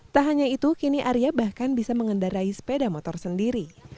tak hanya itu kini arya bahkan bisa mengendarai sepeda motor sendiri